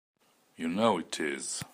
You know it is!